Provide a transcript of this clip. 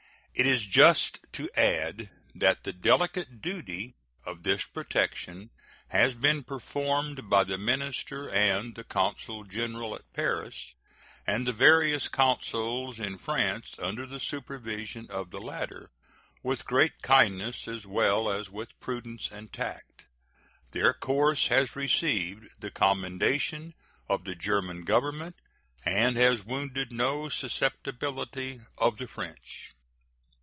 It is just to add that the delicate duty of this protection has been performed by the minister and the consul general at Paris, and the various consuls in France under the supervision of the latter, with great kindness as well as with prudence and tact. Their course has received the commendation of the German Government, and has wounded no susceptibility of the French.